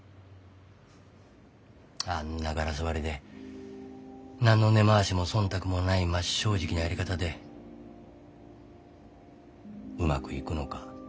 あんなガラス張りで何の根回しも忖度もない真っ正直なやり方でうまくいくのか。